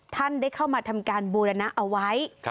ท่านได้เข้ามาทำการบูรณะเอาไว้